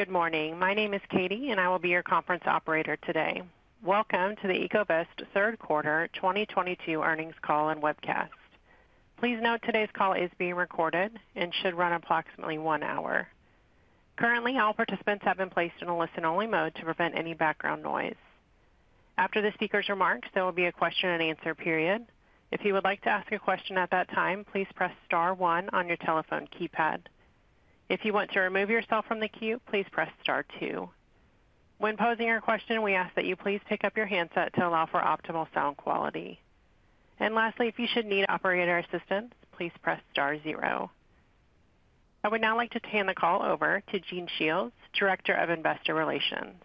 Good morning. My name is Katie, and I will be your conference operator today. Welcome to the Ecovyst third quarter 2022 earnings call and webcast. Please note today's call is being recorded and should run approximately one hour. Currently, all participants have been placed in a listen-only mode to prevent any background noise. After the speaker's remarks, there will be a question and answer period. If you would like to ask a question at that time, please press star one on your telephone keypad. If you want to remove yourself from the queue, please press star two. When posing your question, we ask that you please pick up your handset to allow for optimal sound quality. Lastly, if you should need operator assistance, please press star zero. I would now like to hand the call over to Gene Shiels, Director of Investor Relations.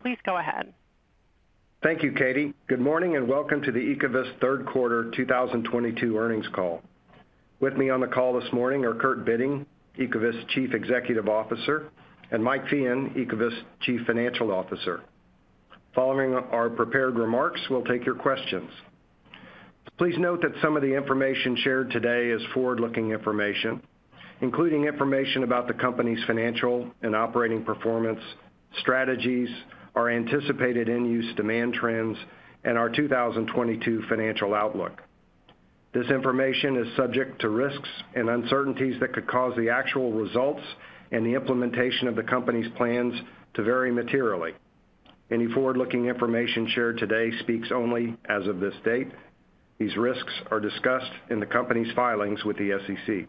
Please go ahead. Thank you, Katie. Good morning and welcome to the Ecovyst third quarter 2022 earnings call. With me on the call this morning are Kurt Bitting, Ecovyst Chief Executive Officer, and Mike Feehan, Ecovyst Chief Financial Officer. Following our prepared remarks, we'll take your questions. Please note that some of the information shared today is forward-looking information, including information about the company's financial and operating performance, strategies, our anticipated end-use demand trends, and our 2022 financial outlook. This information is subject to risks and uncertainties that could cause the actual results and the implementation of the company's plans to vary materially. Any forward-looking information shared today speaks only as of this date. These risks are discussed in the company's filings with the SEC.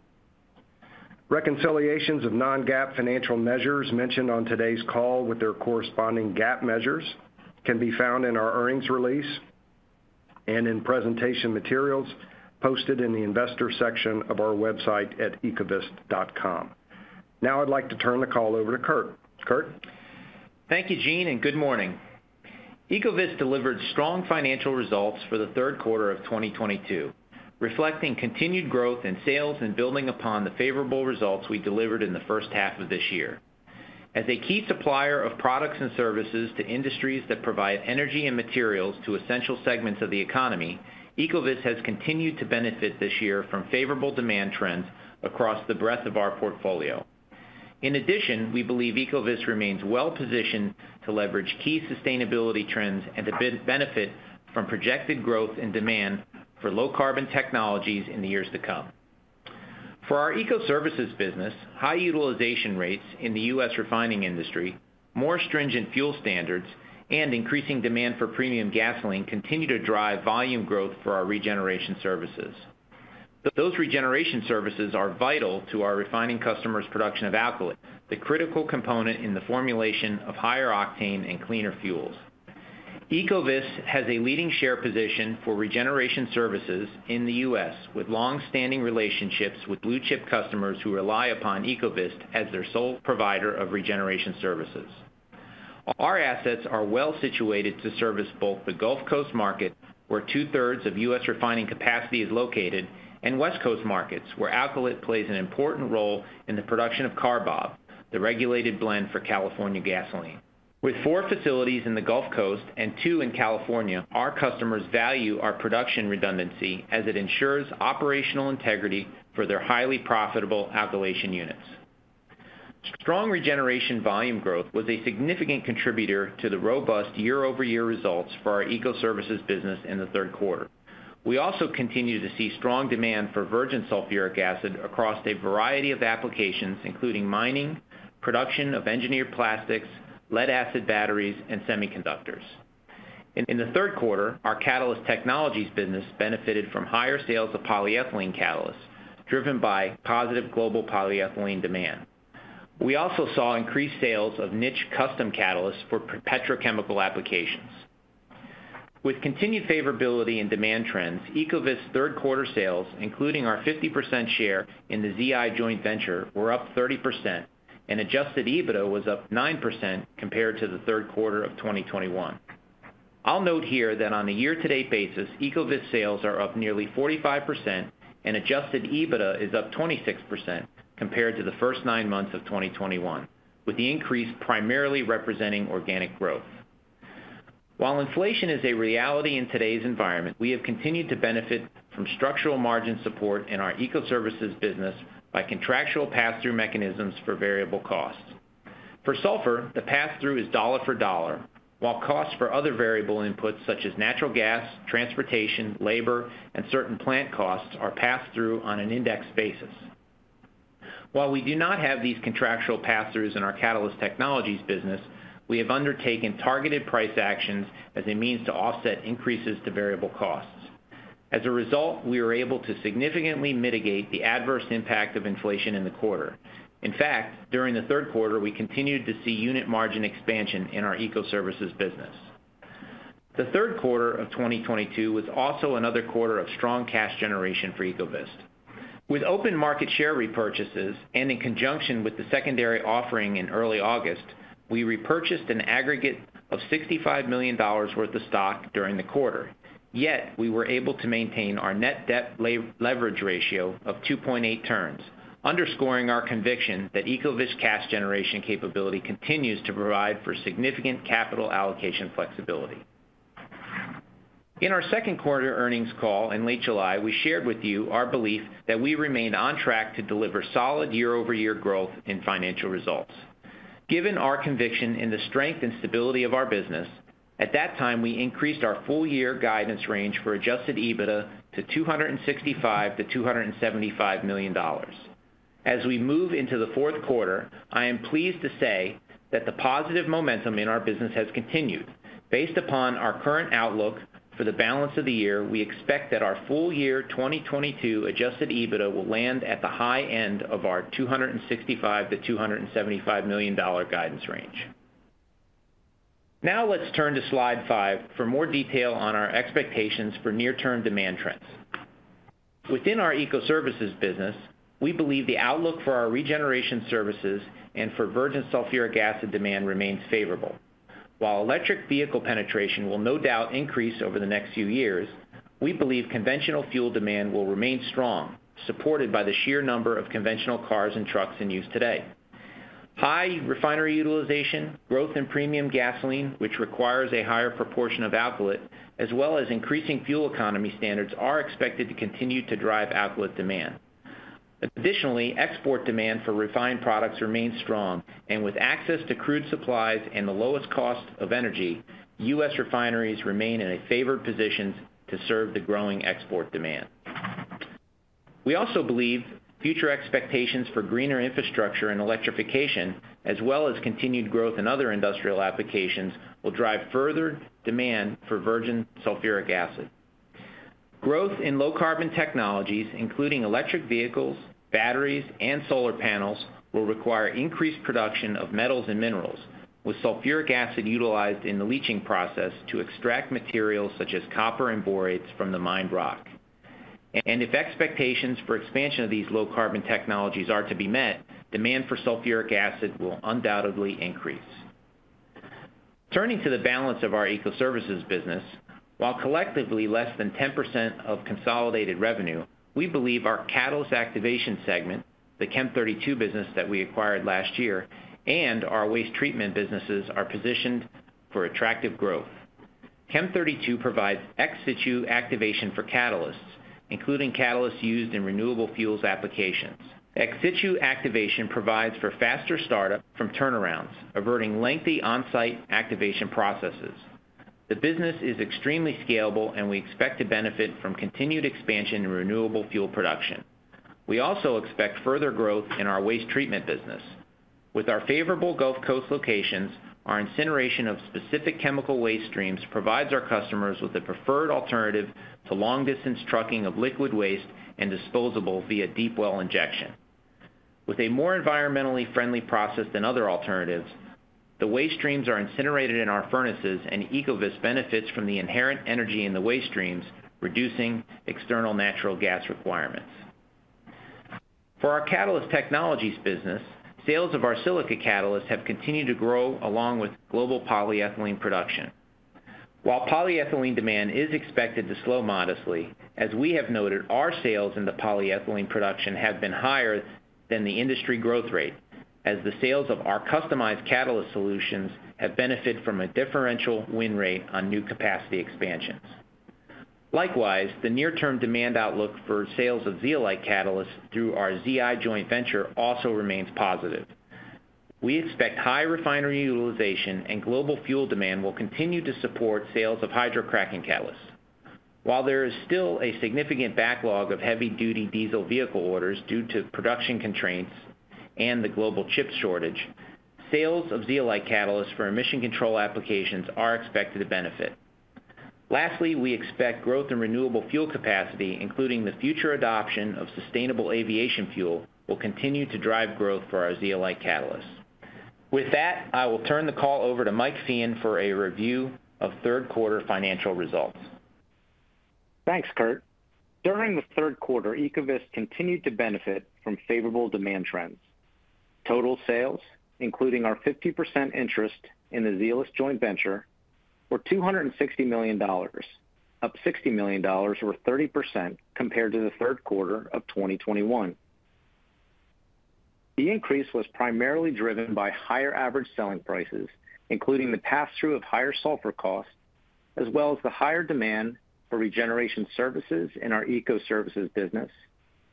Reconciliations of non-GAAP financial measures mentioned on today's call with their corresponding GAAP measures can be found in our earnings release and in presentation materials posted in the investor section of our website at ecovyst.com. Now I'd like to turn the call over to Kurt. Kurt? Thank you, Gene, and good morning. Ecovyst delivered strong financial results for the third quarter of 2022, reflecting continued growth in sales and building upon the favorable results we delivered in the first half of this year. As a key supplier of products and services to industries that provide energy and materials to essential segments of the economy, Ecovyst has continued to benefit this year from favorable demand trends across the breadth of our portfolio. In addition, we believe Ecovyst remains well positioned to leverage key sustainability trends and to benefit from projected growth in demand for low carbon technologies in the years to come. For our Ecoservices business, high utilization rates in the U.S. refining industry, more stringent fuel standards, and increasing demand for premium gasoline continue to drive volume growth for our regeneration services. Those regeneration services are vital to our refining customers' production of alkylate, the critical component in the formulation of higher octane and cleaner fuels. Ecovyst has a leading share position for regeneration services in the U.S., with long-standing relationships with blue chip customers who rely upon Ecovyst as their sole provider of regeneration services. Our assets are well situated to service both the Gulf Coast market, where 2/3 of U.S. refining capacity is located, and West Coast markets, where alkylate plays an important role in the production of CARBOB, the regulated blend for California gasoline. With four facilities in the Gulf Coast and two in California, our customers value our production redundancy as it ensures operational integrity for their highly profitable alkylation units. Strong regeneration volume growth was a significant contributor to the robust year-over-year results for our Ecoservices business in the third quarter. We also continue to see strong demand for virgin sulfuric acid across a variety of applications, including mining, production of engineered plastics, lead acid batteries, and semiconductors. In the third quarter, our Catalyst Technologies business benefited from higher sales of polyethylene catalysts driven by positive global polyethylene demand. We also saw increased sales of niche custom catalysts for petrochemical applications. With continued favorability in demand trends, Ecovyst's third quarter sales, including our 50% share in the ZI Joint Venture Joint Venture, were up 30%, and Adjusted EBITDA was up 9% compared to the third quarter of 2021. I'll note here that on a year-to-date basis, Ecovyst sales are up nearly 45% and Adjusted EBITDA is up 26% compared to the first nine months of 2021, with the increase primarily representing organic growth. While inflation is a reality in today's environment, we have continued to benefit from structural margin support in our Ecoservices business by contractual pass-through mechanisms for variable costs. For sulfur, the pass-through is dollar for dollar, while costs for other variable inputs such as natural gas, transportation, labor, and certain plant costs are passed through on an indexed basis. While we do not have these contractual pass-throughs in our Catalyst Technologies business, we have undertaken targeted price actions as a means to offset increases to variable costs. As a result, we were able to significantly mitigate the adverse impact of inflation in the quarter. In fact, during the third quarter, we continued to see unit margin expansion in our Ecoservices business. The third quarter of 2022 was also another quarter of strong cash generation for Ecovyst. With open market share repurchases and in conjunction with the secondary offering in early August, we repurchased an aggregate of $65 million worth of stock during the quarter, yet we were able to maintain our net debt leverage ratio of 2.8x, underscoring our conviction that Ecovyst cash generation capability continues to provide for significant capital allocation flexibility. In our second quarter earnings call in late July, we shared with you our belief that we remain on track to deliver solid year-over-year growth in financial results. Given our conviction in the strength and stability of our business, at that time, we increased our full-year guidance range for Adjusted EBITDA to $265 million-$275 million. As we move into the fourth quarter, I am pleased to say that the positive momentum in our business has continued. Based upon our current outlook for the balance of the year, we expect that our full-year 2022 Adjusted EBITDA will land at the high end of our $265 million-$275 million guidance range. Now let's turn to slide five for more detail on our expectations for near-term demand trends. Within our Ecoservices business, we believe the outlook for our regeneration services and for virgin sulfuric acid demand remains favorable. While electric vehicle penetration will no doubt increase over the next few years, we believe conventional fuel demand will remain strong, supported by the sheer number of conventional cars and trucks in use today. High refinery utilization, growth in premium gasoline, which requires a higher proportion of alkylate, as well as increasing fuel economy standards, are expected to continue to drive alkylate demand. Additionally, export demand for refined products remains strong, and with access to crude supplies and the lowest cost of energy, U.S. refineries remain in a favored position to serve the growing export demand. We also believe future expectations for greener infrastructure and electrification, as well as continued growth in other industrial applications, will drive further demand for virgin sulfuric acid. Growth in low carbon technologies, including electric vehicles, batteries, and solar panels, will require increased production of metals and minerals, with sulfuric acid utilized in the leaching process to extract materials such as copper and borates from the mined rock. If expectations for expansion of these low carbon technologies are to be met, demand for sulfuric acid will undoubtedly increase. Turning to the balance of our Ecoservices business, while collectively less than 10% of consolidated revenue, we believe our catalyst activation segment, the Chem32 business that we acquired last year, and our waste treatment businesses are positioned for attractive growth. Chem32 provides ex situ activation for catalysts, including catalysts used in renewable fuels applications. Ex situ activation provides for faster startup from turnarounds, averting lengthy on-site activation processes. The business is extremely scalable, and we expect to benefit from continued expansion in renewable fuel production. We also expect further growth in our waste treatment business. With our favorable Gulf Coast locations, our incineration of specific chemical waste streams provides our customers with a preferred alternative to long-distance trucking of liquid waste and disposal via deep well injection. With a more environmentally friendly process than other alternatives, the waste streams are incinerated in our furnaces, and Ecovyst benefits from the inherent energy in the waste streams, reducing external natural gas requirements. For our Catalyst Technologies business, sales of our silica catalysts have continued to grow along with global polyethylene production. While polyethylene demand is expected to slow modestly, as we have noted, our sales in the polyethylene production have been higher than the industry growth rate, as the sales of our customized catalyst solutions have benefited from a differential win rate on new capacity expansions. Likewise, the near-term demand outlook for sales of zeolite catalysts through our ZI Joint Venture also remains positive. We expect high refinery utilization and global fuel demand will continue to support sales of hydrocracking catalysts. While there is still a significant backlog of heavy-duty diesel vehicle orders due to production constraints and the global chip shortage, sales of zeolite catalysts for emission control applications are expected to benefit. Lastly, we expect growth in renewable fuel capacity, including the future adoption of sustainable aviation fuel, will continue to drive growth for our zeolite catalysts. With that, I will turn the call over to Mike Feehan for a review of third quarter financial results. Thanks, Kurt. During the third quarter, Ecovyst continued to benefit from favorable demand trends. Total sales, including our 50% interest in the Zeolyst joint venture, were $260 million, up $60 million or 30% compared to the third quarter of 2021. The increase was primarily driven by higher average selling prices, including the passthrough of higher sulfur costs, as well as the higher demand for regeneration services in our Ecoservices business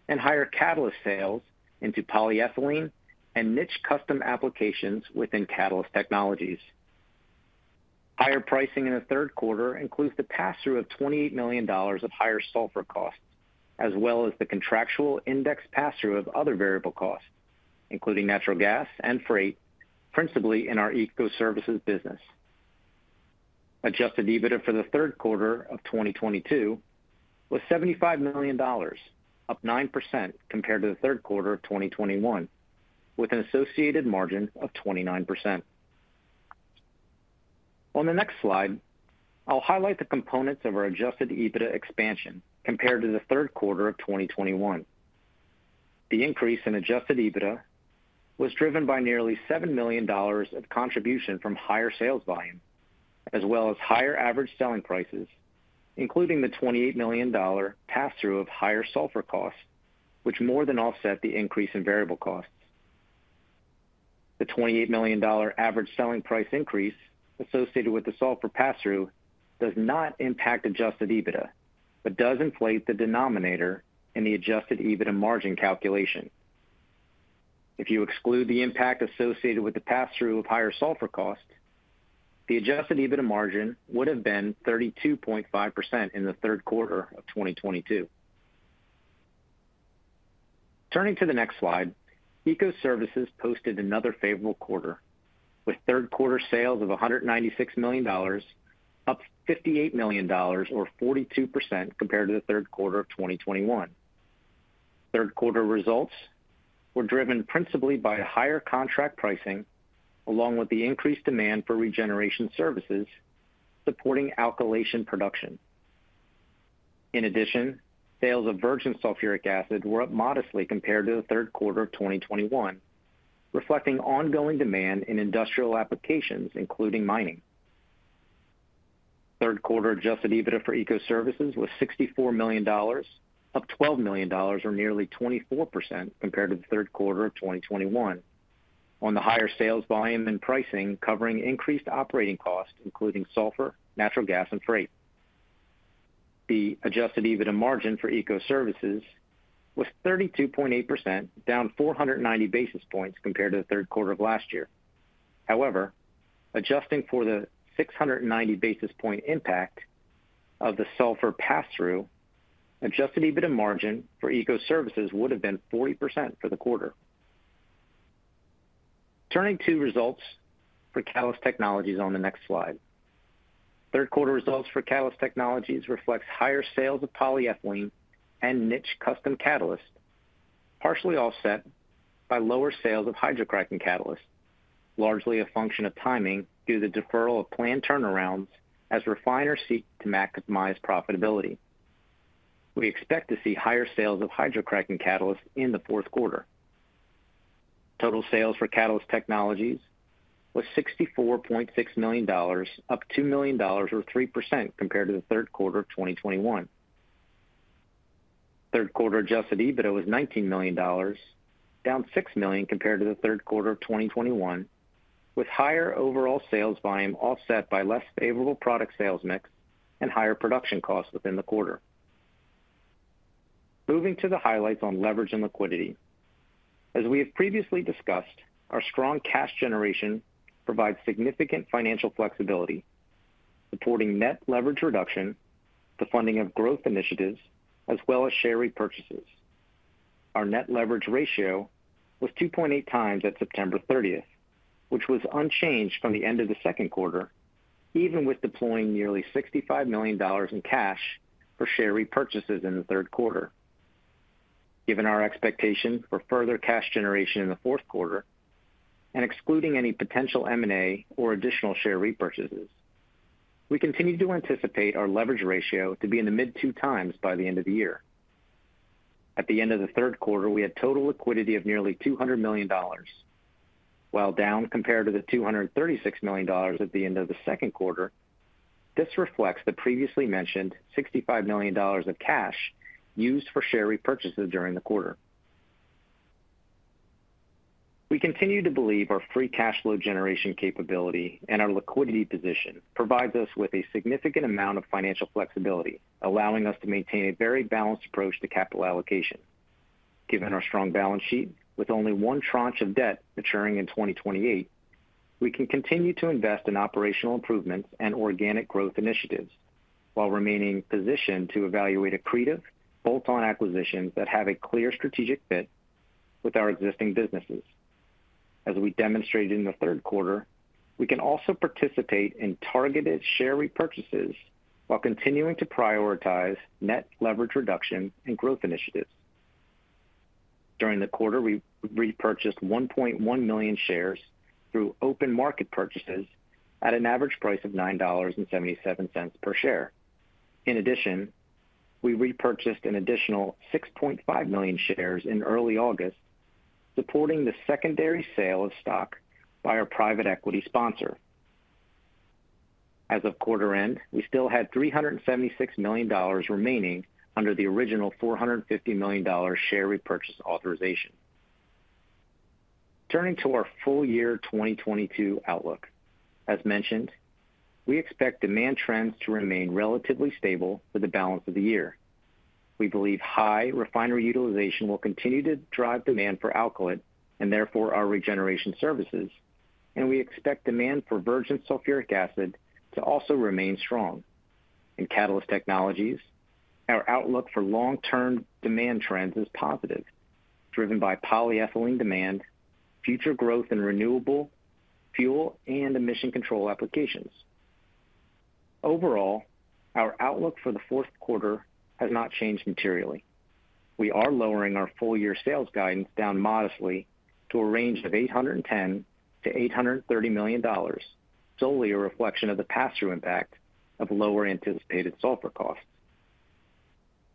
and higher catalyst sales into polyethylene and niche custom applications within Catalyst Technologies. Higher pricing in the third quarter includes the passthrough of $28 million of higher sulfur costs, as well as the contractual index passthrough of other variable costs, including natural gas and freight, principally in our Ecoservices business. Adjusted EBITDA for the third quarter of 2022 was $75 million, up 9% compared to the third quarter of 2021, with an associated margin of 29%. On the next slide, I'll highlight the components of our Adjusted EBITDA expansion compared to the third quarter of 2021. The increase in Adjusted EBITDA was driven by nearly $7 million of contribution from higher sales volume, as well as higher average selling prices, including the $28 million pass-through of higher sulfur costs, which more than offset the increase in variable costs. The $28 million average selling price increase associated with the sulfur pass-through does not impact Adjusted EBITDA, but does inflate the denominator in the Adjusted EBITDA margin calculation. If you exclude the impact associated with the pass-through of higher sulfur cost, the Adjusted EBITDA margin would have been 32.5% in the third quarter of 2022. Turning to the next slide, Ecoservices posted another favorable quarter, with third quarter sales of $196 million, up $58 million or 42% compared to the third quarter of 2021. Third quarter results were driven principally by higher contract pricing along with the increased demand for regeneration services supporting alkylation production. In addition, sales of virgin sulfuric acid were up modestly compared to the third quarter of 2021, reflecting ongoing demand in industrial applications, including mining. Third quarter Adjusted EBITDA for Ecoservices was $64 million, up $12 million or nearly 24% compared to the third quarter of 2021. On the higher sales volume and pricing covering increased operating costs, including sulfur, natural gas, and freight. The Adjusted EBITDA margin for Ecoservices was 32.8%, down 490 basis points compared to the third quarter of last year. However, Adjusting for the 690 basis point impact of the sulfur pass-through, Adjusted EBITDA margin for Ecoservices would have been 40% for the quarter. Turning to results for Catalyst Technologies on the next slide. Third quarter results for Catalyst Technologies reflects higher sales of polyethylene and niche custom catalyst, partially offset by lower sales of hydrocracking catalyst, largely a function of timing due to the deferral of planned turnarounds as refiners seek to maximize profitability. We expect to see higher sales of hydrocracking catalyst in the fourth quarter. Total sales for Catalyst Technologies was $64.6 million, up $2 million or 3% compared to the third quarter of 2021. Third quarter Adjusted EBITDA was $19 million, down $6 million compared to the third quarter of 2021, with higher overall sales volume offset by less favorable product sales mix and higher production costs within the quarter. Moving to the highlights on leverage and liquidity. As we have previously discussed, our strong cash generation provides significant financial flexibility, supporting net leverage reduction, the funding of growth initiatives, as well as share repurchases. Our net leverage ratio was 2.8x at September 30th, which was unchanged from the end of the second quarter, even with deploying nearly $65 million in cash for share repurchases in the third quarter. Given our expectations for further cash generation in the fourth quarter and excluding any potential M&A or additional share repurchases, we continue to anticipate our leverage ratio to be in the mid-2x by the end of the year. At the end of the third quarter, we had total liquidity of nearly $200 million. While down compared to the $236 million at the end of the second quarter, this reflects the previously mentioned $65 million of cash used for share repurchases during the quarter. We continue to believe our free cash flow generation capability and our liquidity position provides us with a significant amount of financial flexibility, allowing us to maintain a very balanced approach to capital allocation. Given our strong balance sheet with only one tranche of debt maturing in 2028, we can continue to invest in operational improvements and organic growth initiatives while remaining positioned to evaluate accretive bolt-on acquisitions that have a clear strategic fit with our existing businesses. As we demonstrated in the third quarter, we can also participate in targeted share repurchases while continuing to prioritize net leverage reduction and growth initiatives. During the quarter, we repurchased 1.1 million shares through open market purchases at an average price of $9.77 per share. In addition, we repurchased an additional 6.5 million shares in early August, supporting the secondary sale of stock by our private equity sponsor. As of quarter end, we still had $376 million remaining under the original $450 million share repurchase authorization. Turning to our full year 2022 outlook. As mentioned, we expect demand trends to remain relatively stable for the balance of the year. We believe high refinery utilization will continue to drive demand for alkylate and therefore our regeneration services, and we expect demand for virgin sulfuric acid to also remain strong. In Catalyst Technologies, our outlook for long-term demand trends is positive, driven by polyethylene demand, future growth in renewable fuel and emission control applications. Overall, our outlook for the fourth quarter has not changed materially. We are lowering our full year sales guidance down modestly to a range of $810 million-$830 million, solely a reflection of the pass-through impact of lower anticipated sulfur costs.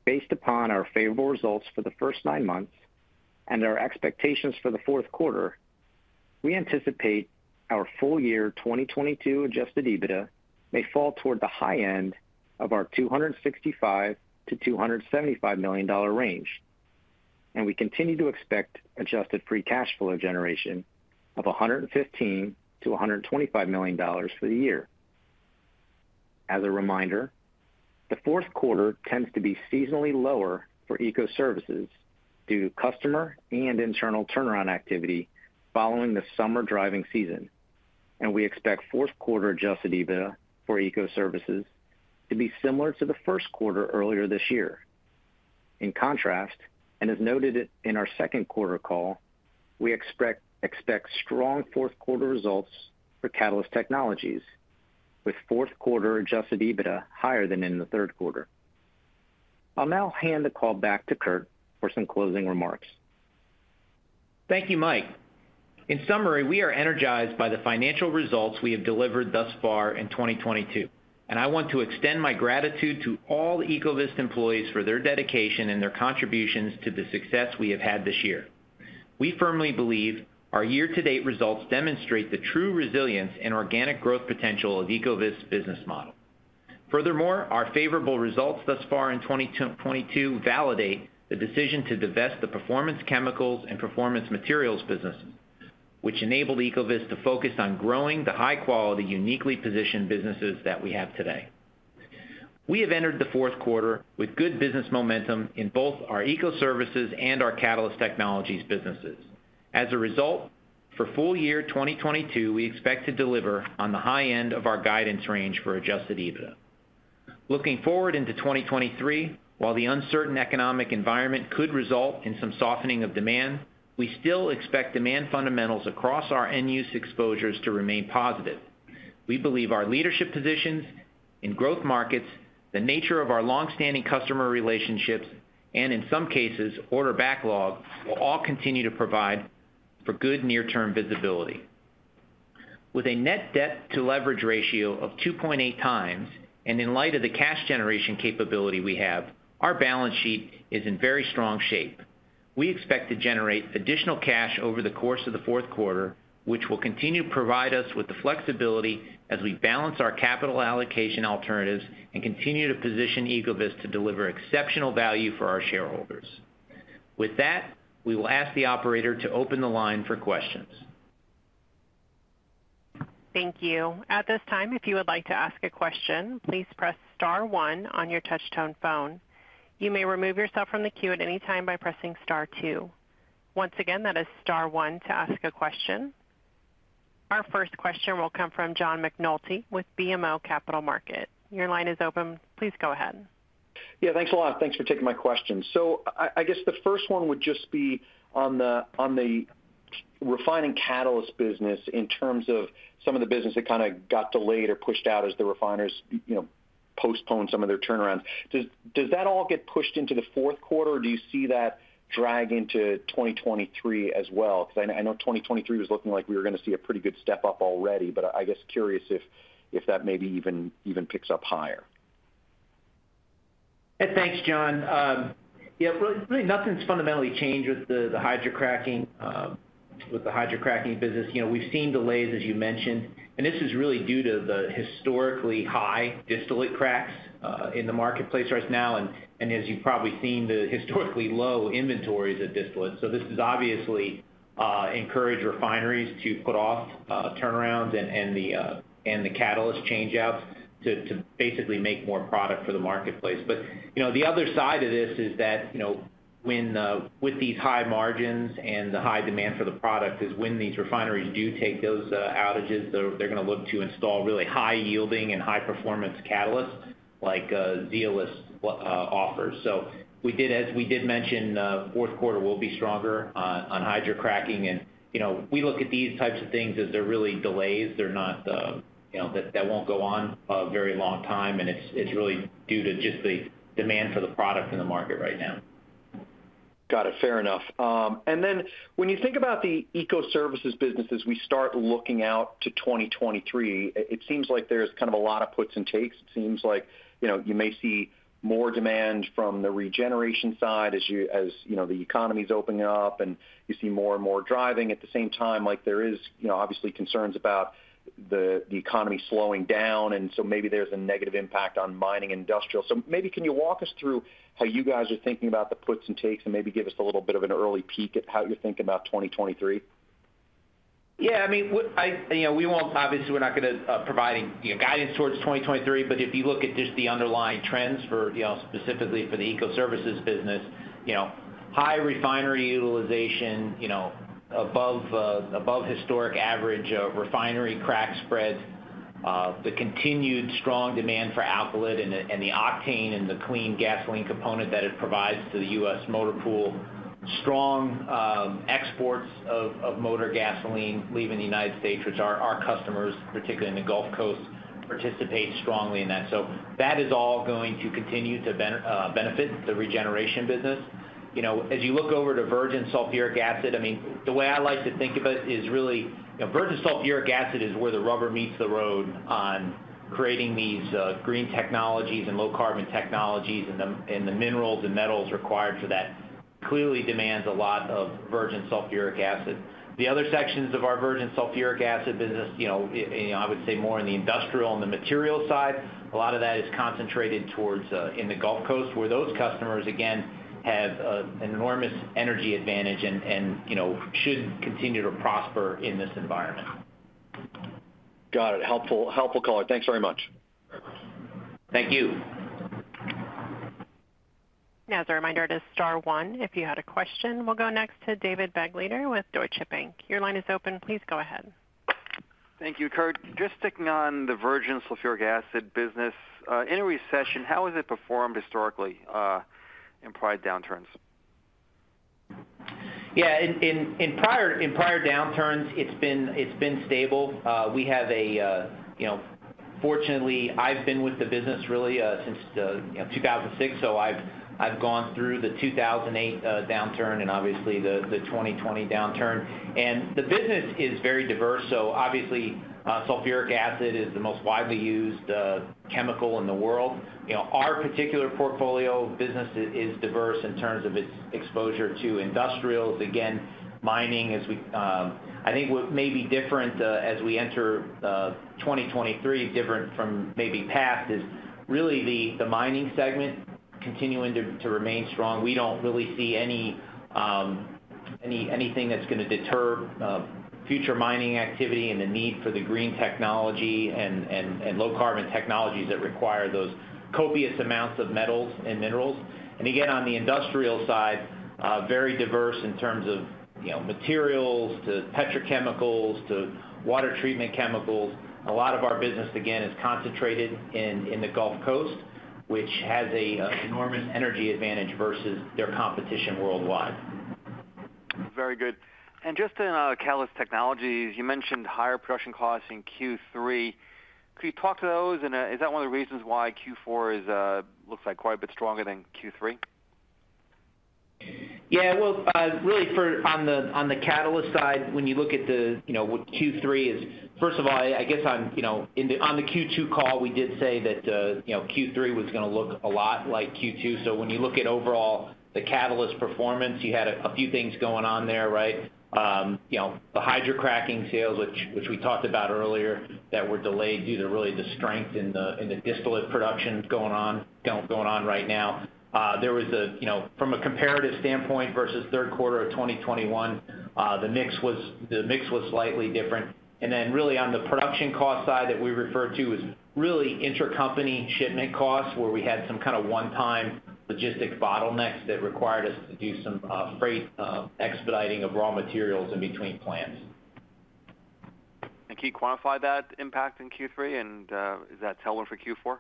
Based upon our favorable results for the first nine months and our expectations for the fourth quarter, we anticipate our full year 2022 Adjusted EBITDA may fall toward the high end of our $265 million-$275 million range, and we continue to expect adjusted free cash flow generation of $115 million-$125 million for the year. As a reminder, the fourth quarter tends to be seasonally lower for Ecoservices due to customer and internal turnaround activity following the summer driving season, and we expect fourth quarter Adjusted EBITDA for Ecoservices to be similar to the first quarter earlier this year. In contrast, as noted in our second quarter call, we expect strong fourth quarter results for Catalyst Technologies, with fourth quarter Adjusted EBITDA higher than in the third quarter. I'll now hand the call back to Kurt for some closing remarks. Thank you, Mike. In summary, we are energized by the financial results we have delivered thus far in 2022, and I want to extend my gratitude to all Ecovyst employees for their dedication and their contributions to the success we have had this year. We firmly believe our year-to-date results demonstrate the true resilience and organic growth potential of Ecovyst's business model. Furthermore, our favorable results thus far in 2022 validate the decision to divest the Performance Chemicals and Performance Materials businesses, which enabled Ecovyst to focus on growing the high-quality, uniquely positioned businesses that we have today. We have entered the fourth quarter with good business momentum in both our Ecoservices and our Catalyst Technologies businesses. As a result, for full year 2022, we expect to deliver on the high end of our guidance range for Adjusted EBITDA. Looking forward into 2023, while the uncertain economic environment could result in some softening of demand, we still expect demand fundamentals across our end use exposures to remain positive. We believe our leadership positions in growth markets, the nature of our long-standing customer relationships, and in some cases, order backlogs, will all continue to provide for good near-term visibility. With a net debt to leverage ratio of 2.8x, and in light of the cash generation capability we have, our balance sheet is in very strong shape. We expect to generate additional cash over the course of the fourth quarter, which will continue to provide us with the flexibility as we balance our capital allocation alternatives and continue to position Ecovyst to deliver exceptional value for our shareholders. With that, we will ask the operator to open the line for questions. Thank you. At this time, if you would like to ask a question, please press star one on your touch-tone phone. You may remove yourself from the queue at any time by pressing star two. Once again, that is star one to ask a question. Our first question will come from John McNulty with BMO Capital Markets. Your line is open. Please go ahead. Yeah, thanks a lot. Thanks for taking my question. I guess the first one would just be on the Refining Catalyst business in terms of some of the business that kind of got delayed or pushed out as the refiners you know, postponed some of their turnarounds. Does that all get pushed into the fourth quarter, or do you see that drag into 2023 as well? Because I know 2023 was looking like we were gonna see a pretty good step up already, but I guess curious if that maybe even picks up higher. Thanks, John. Yeah, well, really nothing's fundamentally changed with the hydrocracking business. You know, we've seen delays, as you mentioned, and this is really due to the historically high distillate cracks in the marketplace right now, and as you've probably seen, the historically low inventories of distillate. This has obviously encouraged refineries to put off turnarounds and the catalyst changeouts to basically make more product for the marketplace. You know, the other side of this is that, you know, when with these high margins and the high demand for the product is when these refineries do take those outages, they're gonna look to install really high-yielding and high-performance catalysts like Zeolyst offers. We did mention fourth quarter will be stronger on hydrocracking. You know, we look at these types of things as they're really delays. They're not, you know, that won't go on a very long time, and it's really due to just the demand for the product in the market right now. Got it. Fair enough. Then when you think about the Ecoservices businesses, we start looking out to 2023, it seems like there's kind of a lot of puts and takes. It seems like, you know, you may see more demand from the regeneration side as you know, the economy's opening up and you see more and more driving. At the same time, like, there is, you know, obviously concerns about the economy slowing down, and so maybe there's a negative impact on mining and industrial. Maybe can you walk us through how you guys are thinking about the puts and takes, and maybe give us a little bit of an early peek at how you think about 2023? Yeah. I mean, you know, obviously we're not gonna provide, you know, guidance towards 2023, but if you look at just the underlying trends for, you know, specifically for the Ecoservices business, you know, high refinery utilization, you know, above historic average, refinery crack spreads, the continued strong demand for alkylate and the octane and the clean gasoline component that it provides to the U.S. motor pool, strong exports of motor gasoline leaving the United States, which our customers, particularly in the Gulf Coast, participate strongly in that. That is all going to continue to benefit the regeneration business. You know, as you look over to virgin sulfuric acid, I mean, the way I like to think of it is really, you know, virgin sulfuric acid is where the rubber meets the road on creating these, green technologies and low carbon technologies and the minerals and metals required for that. Clearly demands a lot of virgin sulfuric acid. The other sections of our virgin sulfuric acid business, you know, I would say more in the industrial and the material side, a lot of that is concentrated towards, in the Gulf Coast, where those customers, again, have an enormous energy advantage and, you know, should continue to prosper in this environment. Got it. Helpful, helpful call. Thanks very much. Thank you. Now, as a reminder, it is star one, if you had a question. We'll go next to David Begleiter with Deutsche Bank. Your line is open. Please go ahead. Thank you. Kurt, just sticking on the virgin sulfuric acid business. In a recession, how has it performed historically, in prior downturns? Yeah. In prior downturns, it's been stable. We have a, you know, fortunately, I've been with the business really since, you know, 2006, so I've gone through the 2008 downturn and obviously the 2020 downturn. The business is very diverse, so obviously, sulfuric acid is the most widely used chemical in the world. You know, our particular portfolio business is diverse in terms of its exposure to industrials. Again, mining as we, I think what may be different, as we enter, 2023, different from maybe past is really the mining segment continuing to remain strong. We don't really see anything that's gonna deter future mining activity and the need for the green technology and low carbon technologies that require those copious amounts of metals and minerals. Again, on the industrial side, very diverse in terms of, you know, materials to petrochemicals to water treatment chemicals. A lot of our business, again, is concentrated in the Gulf Coast, which has a enormous energy advantage versus their competition worldwide. Very good. Just in Catalyst Technologies, you mentioned higher production costs in Q3. Could you talk to those? Is that one of the reasons why Q4 is, looks like quite a bit stronger than Q3? Yeah. Well, really, on the catalyst side, when you look at, you know, what Q3 is, first of all, I guess, you know, on the Q2 call, we did say that, you know, Q3 was gonna look a lot like Q2. When you look at overall the catalyst performance, you had a few things going on there, right? You know, the hydrocracking sales, which we talked about earlier, that were delayed due to really the strength in the distillate production going on right now. There was, you know, from a comparative standpoint versus third quarter of 2021, the mix was slightly different. Really on the production cost side that we referred to is really intercompany shipment costs, where we had some kind of one-time logistical bottlenecks that required us to do some freight expediting of raw materials in between plants. Can you quantify that impact in Q3? Is that tailwind for Q4?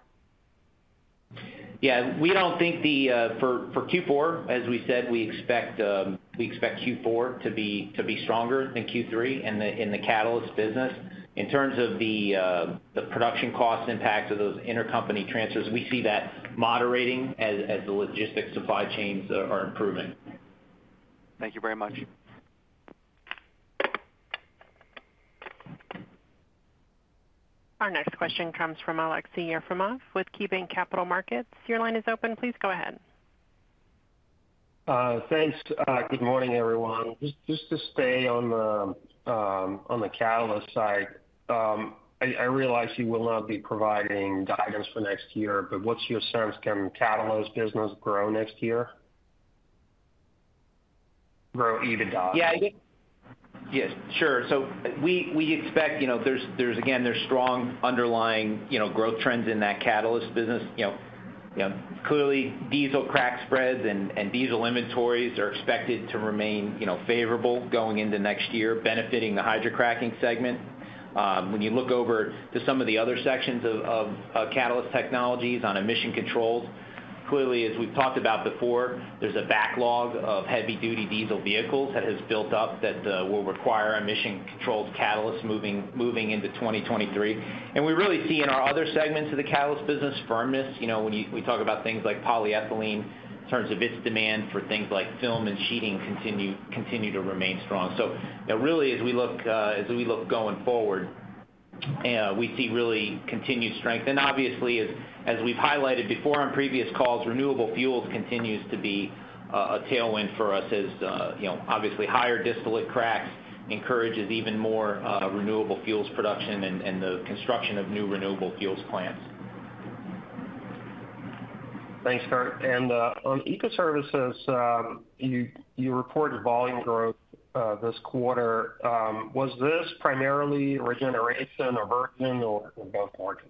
Yeah. For Q4, as we said, we expect Q4 to be stronger than Q3 in the catalyst business. In terms of the production cost impact of those intercompany transfers, we see that moderating as the logistics supply chains are improving. Thank you very much. Our next question comes from Aleksey Yefremov with KeyBanc Capital Markets. Your line is open. Please go ahead. Thanks. Good morning, everyone. Just to stay on the catalyst side. I realize you will not be providing guidance for next year, but what's your sense, can catalyst business grow next year? Grow EBITDA? Yeah. Yes, sure. We expect, you know, there's again strong underlying, you know, growth trends in that catalyst business. You know, clearly diesel crack spreads and diesel inventories are expected to remain, you know, favorable going into next year, benefiting the hydrocracking segment. When you look over to some of the other sections of Catalyst Technologies on emission controls, clearly, as we've talked about before, there's a backlog of heavy duty diesel vehicles that has built up that will require emission controlled catalysts moving into 2023. We really see in our other segments of the catalyst business firmness. You know, when we talk about things like polyethylene in terms of its demand for things like film and sheeting continue to remain strong. You know, really, as we look going forward, we see really continued strength. Obviously, as we've highlighted before on previous calls, renewable fuels continues to be a tailwind for us as, you know, obviously higher distillate cracks encourages even more, renewable fuels production and the construction of new renewable fuels plants. Thanks, Kurt. On Ecoservices, you reported volume growth this quarter. Was this primarily regeneration or virgin or both markets?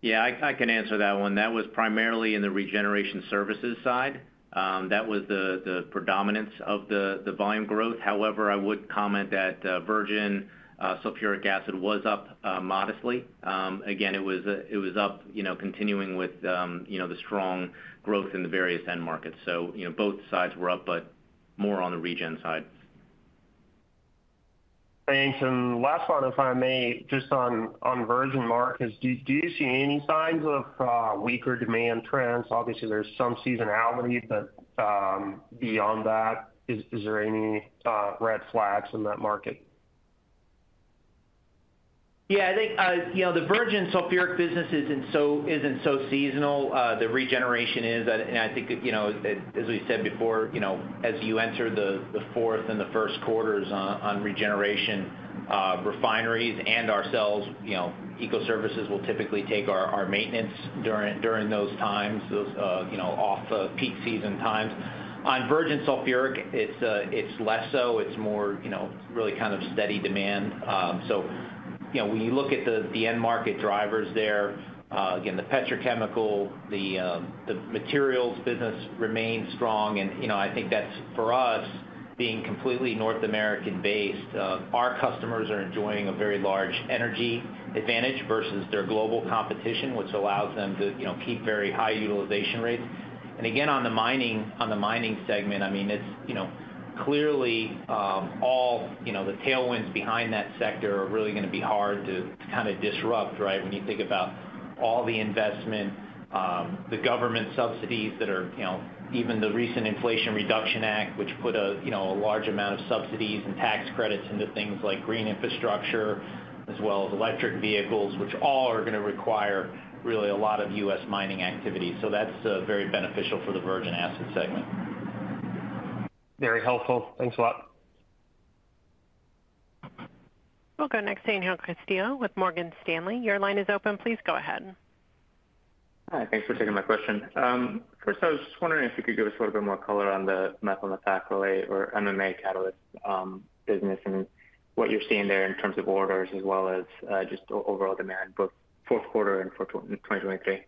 Yeah, I can answer that one. That was primarily in the regeneration services side. That was the predominance of the volume growth. However, I would comment that virgin sulfuric acid was up modestly. Again, it was up, you know, continuing with you know the strong growth in the various end markets. You know, both sides were up, but more on the regen side. Thanks. Last one, if I may, just on virgin markets. Do you see any signs of weaker demand trends? Obviously, there's some seasonality, but beyond that, is there any red flags in that market? Yeah, I think, you know, the virgin sulfuric business isn't so seasonal. The regeneration is, and I think, you know, as we said before, you know, as you enter the fourth and the first quarters on regeneration, refineries and ourselves, you know, Ecoservices will typically take our maintenance during those times, you know, off-peak season times. On virgin sulfuric, it's less so. It's more, you know, really kind of steady demand. So, you know, when you look at the end market drivers there, again, the petrochemical, the materials business remains strong. And, you know, I think that's, for us, being completely North American-based, our customers are enjoying a very large energy advantage versus their global competition, which allows them to, you know, keep very high utilization rates. On the mining segment, I mean, it's, you know, clearly all, you know, the tailwinds behind that sector are really gonna be hard to kind of disrupt, right? When you think about all the investment, the government subsidies that are, you know, even the recent Inflation Reduction Act, which put a, you know, a large amount of subsidies and tax credits into things like green infrastructure as well as electric vehicles, which all are gonna require really a lot of U.S. mining activity. That's very beneficial for the virgin acid segment. Very helpful. Thanks a lot. We'll go next to Angel Castillo with Morgan Stanley. Your line is open. Please go ahead. Hi, thanks for taking my question. First, I was just wondering if you could give us a little bit more color on the methyl methacrylate or MMA catalyst business and what you're seeing there in terms of orders as well as just overall demand, both fourth quarter and for 2023.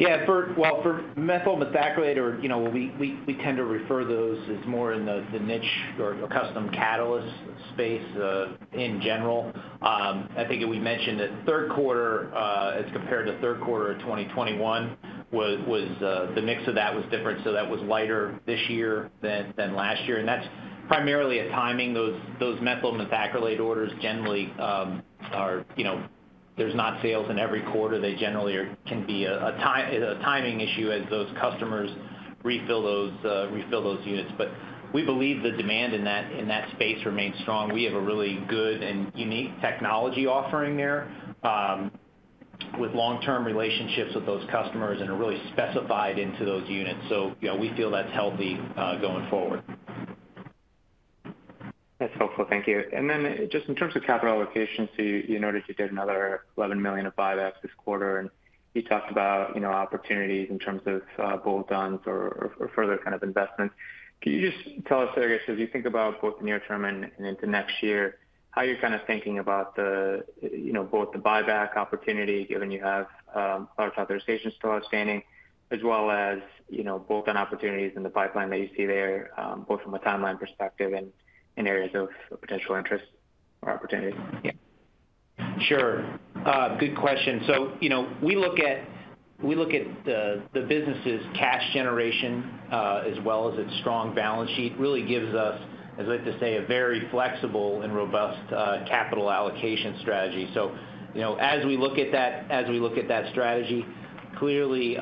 Yeah. Well, for methyl methacrylate or, you know, we tend to refer those as more in the niche or custom catalyst space, in general. I think we mentioned that third quarter, as compared to third quarter of 2021 was the mix of that was different, so that was lighter this year than last year, and that's primarily a timing. Those methyl methacrylate orders generally, you know, there's not sales in every quarter. They generally can be a timing issue as those customers refill those units. We believe the demand in that space remains strong. We have a really good and unique technology offering there, with long-term relationships with those customers and are really specified into those units. You know, we feel that's healthy, going forward. That's helpful. Thank you. Just in terms of capital allocation, you noted you did another $11 million of buybacks this quarter, and you talked about, you know, opportunities in terms of bolt-ons or further kind of investments. Can you just tell us there, I guess, as you think about both the near term and into next year, how you're kind of thinking about the, you know, both the buyback opportunity, given you have a lot of authorization still outstanding as well as, you know, bolt-on opportunities in the pipeline that you see there, both from a timeline perspective and in areas of potential interest or opportunities? Yeah. Sure. Good question. You know, we look at the business's cash generation as well as its strong balance sheet, really gives us, as I like to say, a very flexible and robust capital allocation strategy. You know, as we look at that strategy, clearly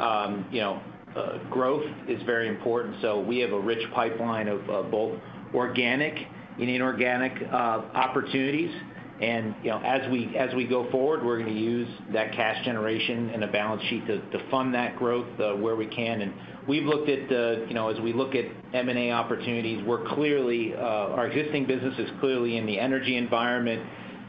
growth is very important. We have a rich pipeline of both organic and inorganic opportunities. You know, as we go forward, we're gonna use that cash generation and the balance sheet to fund that growth where we can. We've looked at the, you know, as we look at M&A opportunities, we're clearly, our existing business is clearly in the energy environment,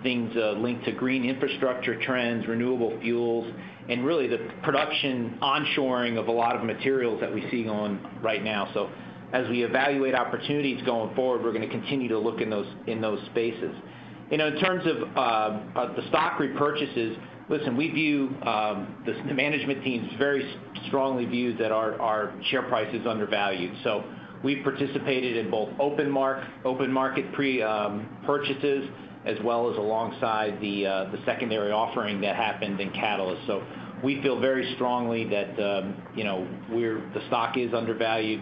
things, linked to green infrastructure trends, renewable fuels, and really the production onshoring of a lot of materials that we see going on right now. As we evaluate opportunities going forward, we're gonna continue to look in those, in those spaces. You know, in terms of, the stock repurchases, listen, we view, the management team very strongly views that our share price is undervalued. We participated in both open market purchases as well as alongside the secondary offering that happened in Catalyst. We feel very strongly that, you know, the stock is undervalued.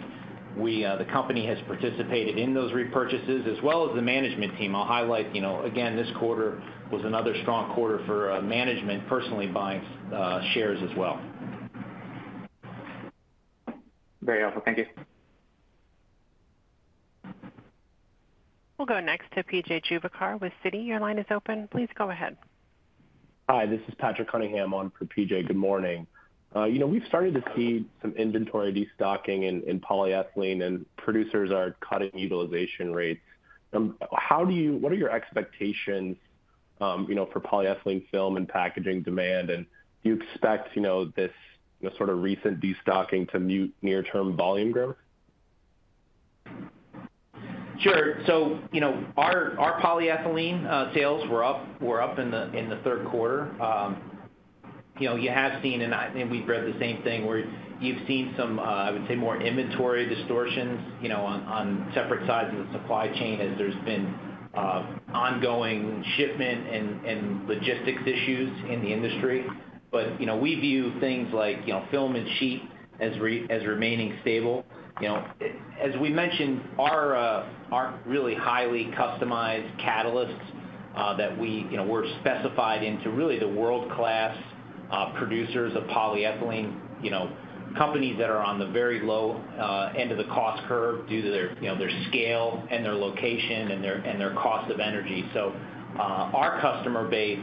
The company has participated in those repurchases as well as the management team. I'll highlight, you know, again, this quarter was another strong quarter for management personally buying shares as well. Very helpful. Thank you. We'll go next to P.J. Juvekar with Citi. Your line is open. Please go ahead. Hi, this is Patrick Cunningham on for P.J. Good morning. You know, we've started to see some inventory destocking in polyethylene and producers are cutting utilization rates. What are your expectations, you know, for polyethylene film and packaging demand? And do you expect, you know, this, you know, sort of recent destocking to mute near-term volume growth? Sure. You know, our polyethylene sales were up in the third quarter. You know, you have seen, and we've read the same thing where you've seen some, I would say more inventory distortions, you know, on separate sides of the supply chain as there's been, ongoing shipment and logistics issues in the industry. You know, we view things like, you know, film and sheet as remaining stable. You know, as we mentioned, our really highly customized catalysts that we, you know, we're specified into really the world-class producers of polyethylene, you know, companies that are on the very low end of the cost curve due to their, you know, their scale and their location and their cost of energy. Our customer base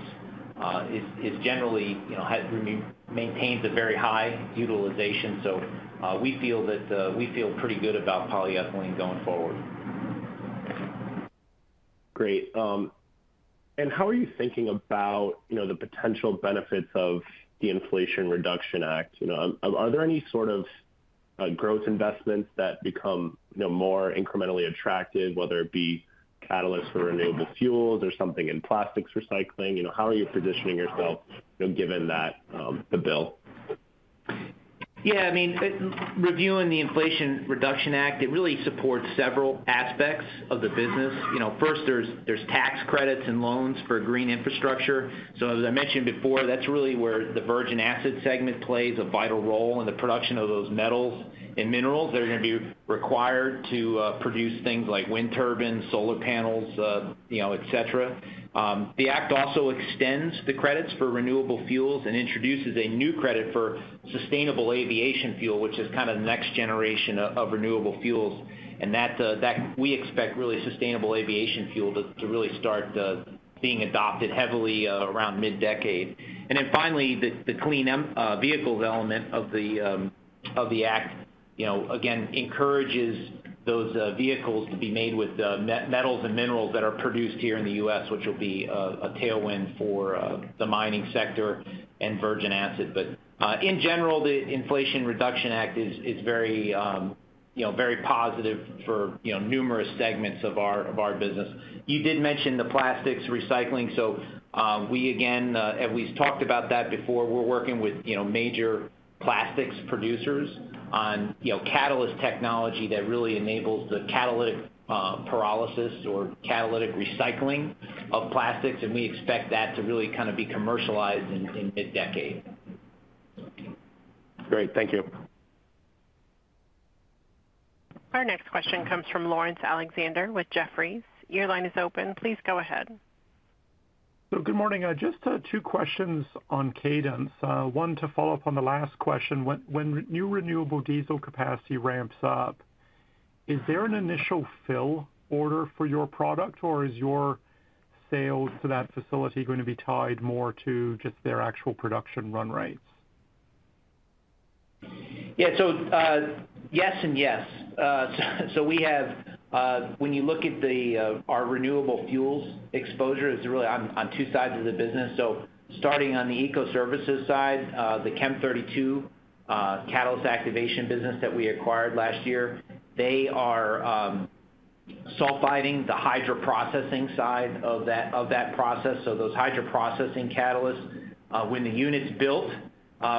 is generally, you know, maintains a very high utilization. We feel pretty good about polyethylene going forward. Great. How are you thinking about, you know, the potential benefits of the Inflation Reduction Act? You know, are there any sort of growth investments that become, you know, more incrementally attractive, whether it be catalysts for renewable fuels or something in plastics recycling? You know, how are you positioning yourself, you know, given that, the bill? Yeah, I mean, reviewing the Inflation Reduction Act, it really supports several aspects of the business. You know, first, there's tax credits and loans for green infrastructure. So as I mentioned before, that's really where the virgin acid segment plays a vital role in the production of those metals and minerals that are gonna be required to produce things like wind turbines, solar panels, you know, et cetera. The act also extends the credits for renewable fuels and introduces a new credit for sustainable aviation fuel, which is kind of the next generation of renewable fuels. That we expect really sustainable aviation fuel to really start being adopted heavily around mid-decade. Finally, the clean vehicles element of the act, you know, again, encourages those vehicles to be made with metals and minerals that are produced here in the U.S., which will be a tailwind for the mining sector and virgin acid. In general, the Inflation Reduction Act is very, you know, very positive for, you know, numerous segments of our business. You did mention the plastics recycling. We again, as we've talked about that before, we're working with, you know, major plastics producers on, you know, Catalyst Technology that really enables the catalytic pyrolysis or catalytic recycling of plastics, and we expect that to really kind of be commercialized in mid-decade. Great. Thank you. Our next question comes from Laurence Alexander with Jefferies. Your line is open. Please go ahead. Good morning. Just two questions on cadence. One, to follow up on the last question. When new renewable diesel capacity ramps up, is there an initial fill order for your product, or is your sales to that facility gonna be tied more to just their actual production run rates? Yeah. Yes and yes. We have, when you look at our renewable fuels exposure, it is really on two sides of the business. Starting on the Ecoservices side, the Chem32 catalyst activation business that we acquired last year, they are sulfiding the hydroprocessing side of that process. Those hydroprocessing catalysts, when the unit's built,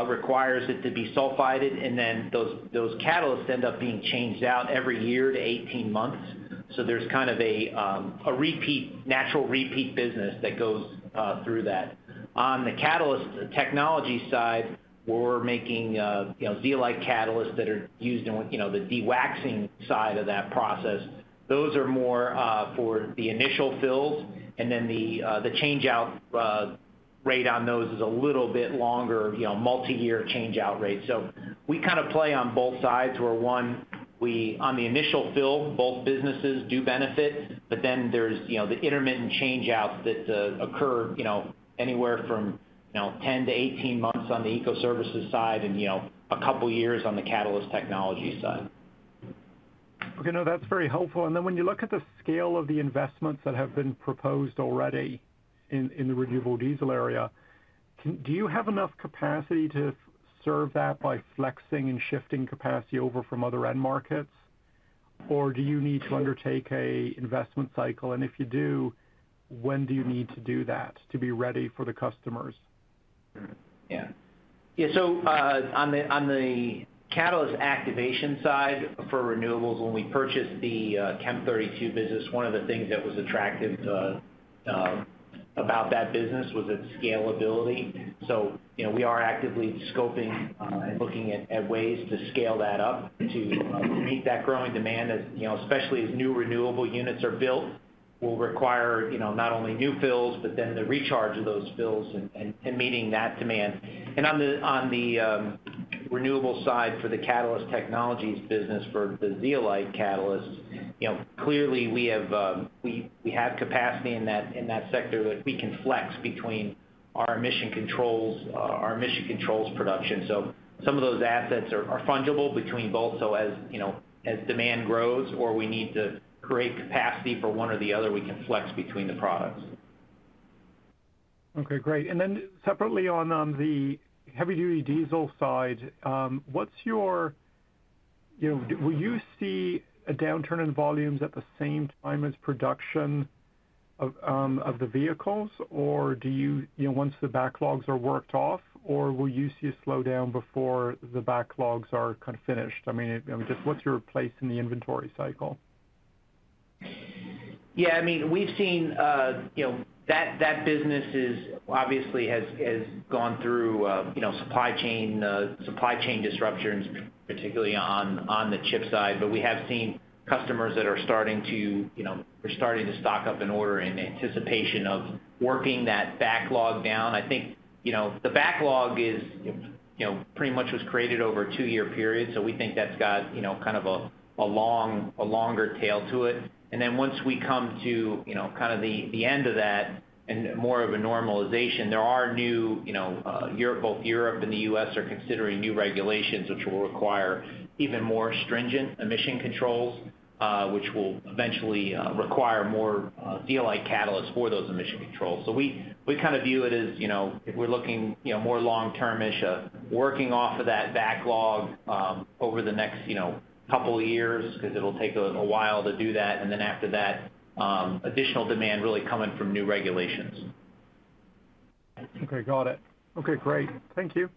requires it to be sulfided, and then those catalysts end up being changed out every year to 18 months. There's kind of a natural repeat business that goes through that. On the Catalyst Technologies side, we're making, you know, zeolite catalysts that are used in what, you know, the dewaxing side of that process. Those are more for the initial fills, and then the changeout rate on those is a little bit longer, you know, multiyear changeout rate. We kind of play on both sides, where one, we on the initial fill, both businesses do benefit, but then there's, you know, the intermittent changeouts that occur, you know, anywhere from, you know, 10-18 months on the Ecoservices side and, you know, a couple years on the Catalyst Technologies side. Okay. No, that's very helpful. Then when you look at the scale of the investments that have been proposed already in the renewable diesel area, do you have enough capacity to serve that by flexing and shifting capacity over from other end markets? Or do you need to undertake a investment cycle? If you do, when do you need to do that to be ready for the customers? On the catalyst activation side for renewables, when we purchased the Chem32 business, one of the things that was attractive about that business was its scalability. We are actively scoping and looking at ways to scale that up to meet that growing demand, as you know, especially as new renewable units are built, will require, you know, not only new fills, but then the recharge of those fills and meeting that demand. On the renewable side for the Catalyst Technologies business for the zeolite catalysts, you know, clearly we have capacity in that sector that we can flex between our emission controls production. Some of those assets are fungible between both. As you know, as demand grows or we need to create capacity for one or the other, we can flex between the products. Okay, great. Then separately on the heavy-duty diesel side, what's your, you know, will you see a downturn in volumes at the same time as production of the vehicles, or do you know, once the backlogs are worked off, or will you see a slowdown before the backlogs are kind of finished? I mean, just what's your place in the inventory cycle? Yeah. I mean, we've seen, you know, that business is obviously has gone through, you know, supply chain disruptions, particularly on the chip side. We have seen customers that are starting to, you know, they're starting to stock up and order in anticipation of working that backlog down. I think, you know, the backlog is, you know, pretty much was created over a two-year period. We think that's got, you know, kind of a longer tail to it. Once we come to, you know, kind of the end of that and more of a normalization, there are new, you know, both Europe and the U.S. are considering new regulations, which will require even more stringent emission controls, which will eventually require more zeolite catalysts for those emission controls. We kind of view it as, you know, if we're looking, you know, more long-term ish, working off of that backlog, over the next, you know, couple of years, 'cause it'll take a while to do that. Then after that, additional demand really coming from new regulations. Okay. Got it. Okay, great. Thank you.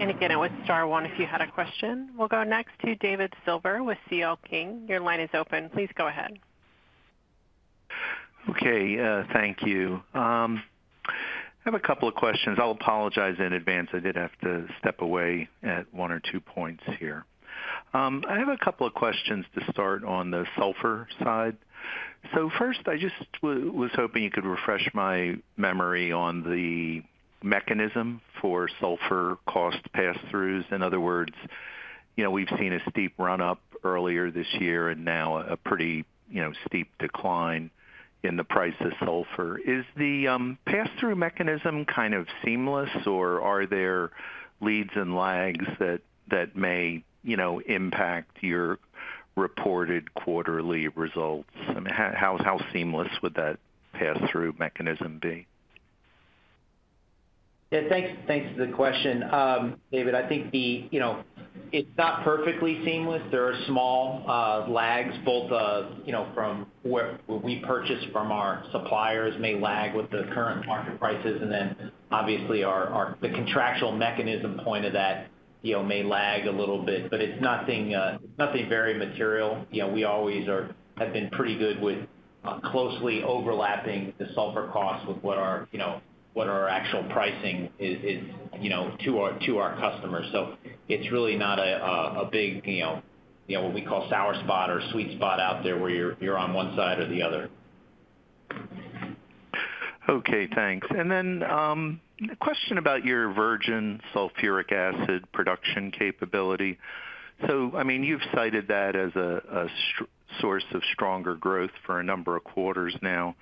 Again, it was star one if you had a question. We'll go next to David Silver with C.L. King. Your line is open. Please go ahead. Okay. Thank you. I have a couple of questions. I'll apologize in advance. I did have to step away at one or two points here. I have a couple of questions to start on the sulfur side. First, I just was hoping you could refresh my memory on the mechanism for sulfur cost pass-throughs. In other words, you know, we've seen a steep run-up earlier this year and now a pretty, you know, steep decline in the price of sulfur. Is the pass-through mechanism kind of seamless or are there leads and lags that may, you know, impact your reported quarterly results? I mean, how seamless would that pass-through mechanism be? Yeah. Thanks for the question, David. I think, you know, it's not perfectly seamless. There are small lags both, you know, from where we purchase from our suppliers, may lag with the current market prices. Then obviously our the contractual mechanism point of that, you know, may lag a little bit, but it's nothing very material. You know, we always have been pretty good with closely overlapping the sulfur costs with what our, you know, what our actual pricing is, you know, to our customers. It's really not a big, you know, what we call sour spot or sweet spot out there where you're on one side or the other. Okay, thanks. A question about your virgin sulfuric acid production capability. I mean, you've cited that as a source of stronger growth for a number of quarters now.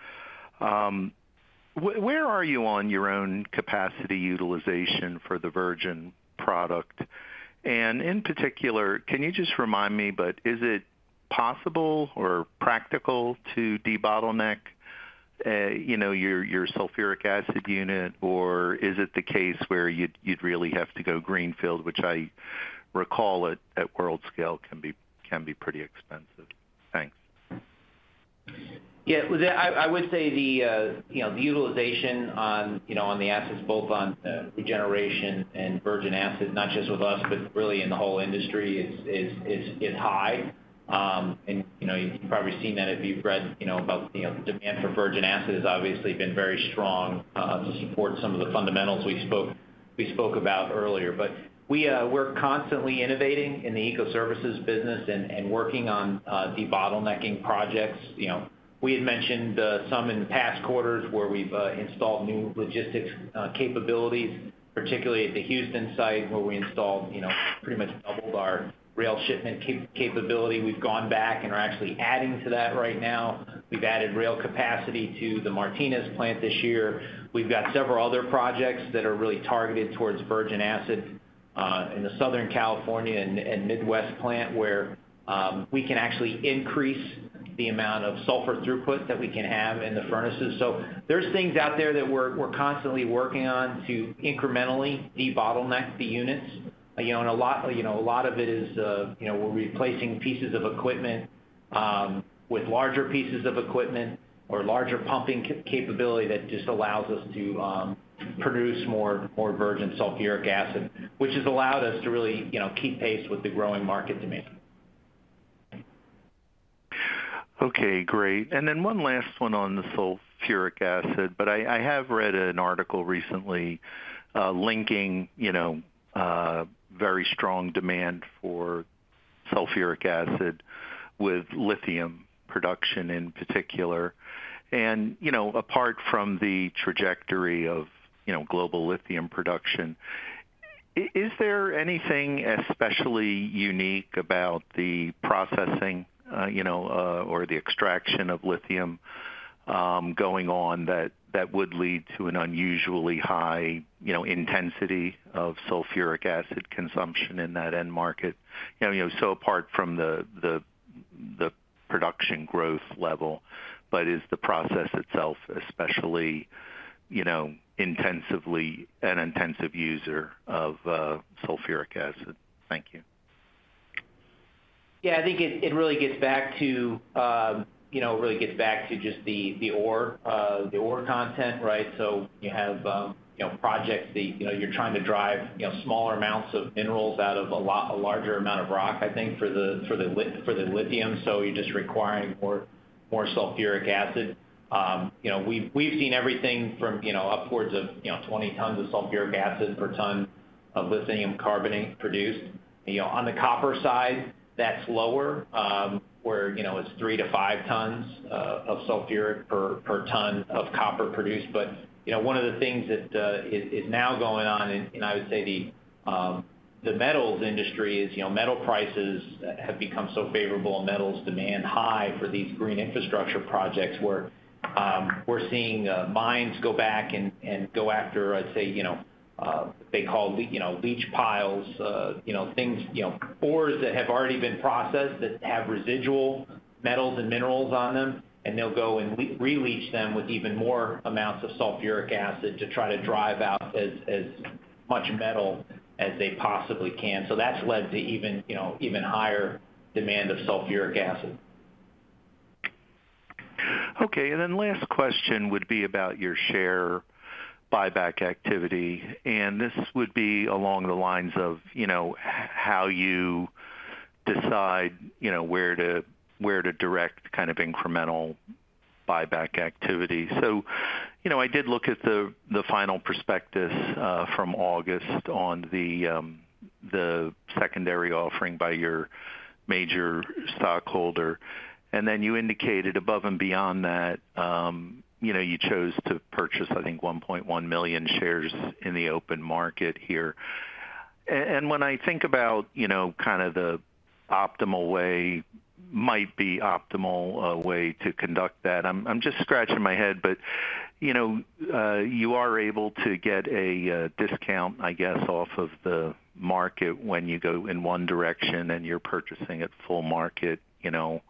Where are you on your own capacity utilization for the virgin product? In particular, can you just remind me, but is it possible or practical to debottleneck, you know, your sulfuric acid unit, or is it the case where you'd really have to go greenfield, which I recall at world scale can be pretty expensive. Thanks. Yeah. I would say the, you know, the utilization on, you know, on the acids both on, regeneration and virgin acid, not just with us, but really in the whole industry is high. You know, you've probably seen that if you've read, you know, about, you know, the demand for virgin acid has obviously been very strong, to support some of the fundamentals we spoke about earlier. We're constantly innovating in the Ecoservices business and working on, debottlenecking projects. You know, we had mentioned some in the past quarters where we've installed new logistics, capabilities, particularly at the Houston site where we installed, you know, pretty much doubled our rail shipment capability. We've gone back and are actually adding to that right now. We've added rail capacity to the Martinez plant this year. We've got several other projects that are really targeted towards virgin acid in the Southern California and Midwest plant where we can actually increase the amount of sulfur throughput that we can have in the furnaces. There's things out there that we're constantly working on to incrementally debottleneck the units. You know, a lot of it is, you know, we're replacing pieces of equipment with larger pieces of equipment or larger pumping capability that just allows us to produce more virgin sulfuric acid, which has allowed us to really, you know, keep pace with the growing market demand. Okay, great. One last one on the sulfuric acid, but I have read an article recently, linking, you know, very strong demand for sulfuric acid with lithium production in particular. You know, apart from the trajectory of, you know, global lithium production, is there anything especially unique about the processing, you know, or the extraction of lithium, going on that would lead to an unusually high, you know, intensity of sulfuric acid consumption in that end market? You know, so apart from the production growth level, but is the process itself especially, you know, intensive user of sulfuric acid? Thank you. Yeah. I think it really gets back to just the ore content, right? So you have projects that you're trying to drive smaller amounts of minerals out of a larger amount of rock, I think, for the lithium. So you're just requiring more sulfuric acid. You know, we've seen everything from upwards of 20 tons of sulfuric acid per ton of lithium carbonate produced. You know, on the copper side, that's lower, where it's 3-5 tons of sulfuric per ton of copper produced. One of the things that is now going on in, I would say, the metals industry is, you know, metal prices have become so favorable and metals demand high for these green infrastructure projects, where we're seeing mines go back and go after, I'd say, you know, they call leach piles, you know, things, you know, ores that have already been processed that have residual metals and minerals on them, and they'll go and re-leach them with even more amounts of sulfuric acid to try to drive out as much metal as they possibly can. So that's led to even higher demand of sulfuric acid. Okay. Last question would be about your share buyback activity, and this would be along the lines of, you know, how you decide, you know, where to direct kind of incremental buyback activity. You know, I did look at the final prospectus from August on the secondary offering by your major stockholder. You indicated above and beyond that, you know, you chose to purchase, I think, 1.1 million shares in the open market here. When I think about, you know, kind of the optimal way to conduct that, I'm just scratching my head, but, you know, you are able to get a discount, I guess, off of the market when you go in one direction and you're purchasing at full market, you know,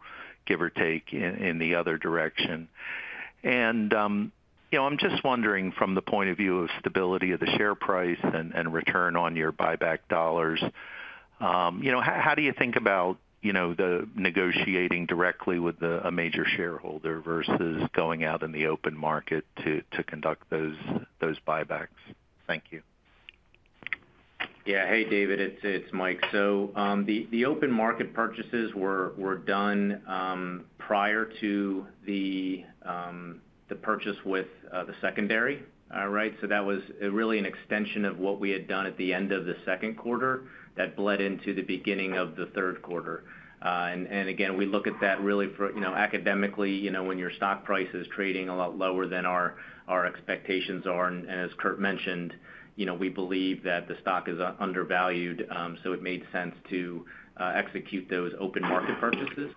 give or take in the other direction. You know, I'm just wondering from the point of view of stability of the share price and return on your buyback dollars, you know, how do you think about, you know, negotiating directly with a major shareholder versus going out in the open market to conduct those buybacks? Thank you. Yeah. Hey, David, it's Mike. The open market purchases were done prior to the purchase with the secondary. Right? That was really an extension of what we had done at the end of the second quarter that bled into the beginning of the third quarter. Again, we look at that really for, you know, academically, you know, when your stock price is trading a lot lower than our expectations are, and as Kurt mentioned, you know, we believe that the stock is undervalued. It made sense to execute those open market purchases.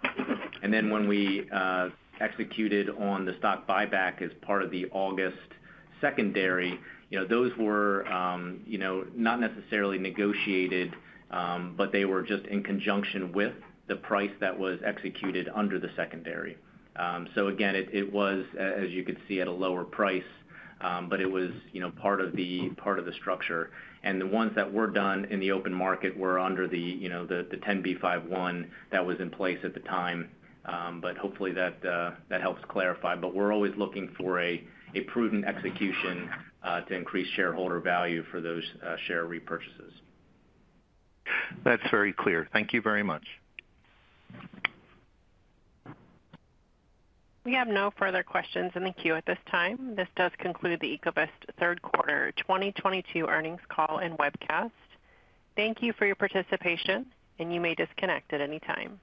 Then when we executed on the stock buyback as part of the August secondary, you know, those were, you know, not necessarily negotiated, but they were just in conjunction with the price that was executed under the secondary. Again, it was, as you could see, at a lower price, but it was, you know, part of the structure. The ones that were done in the open market were under the, you know, the 10b5-1 that was in place at the time. Hopefully that helps clarify. We're always looking for a prudent execution to increase shareholder value for those share repurchases. That's very clear. Thank you very much. We have no further questions in the queue at this time. This does conclude the Ecovyst third quarter 2022 earnings call and webcast. Thank you for your participation, and you may disconnect at any time.